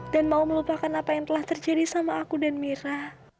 dan mau melupakan apa yang telah terjadi sama aku dan mira